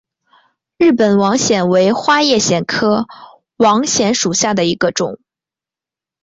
日本网藓为花叶藓科网藓属下的一个种。